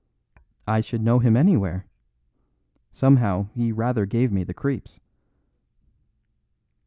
"I should know him anywhere. Somehow he rather gave me the creeps."